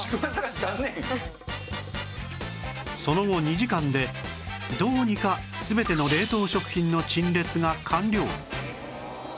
その後２時間でどうにか全ての冷凍食品の陳列が完了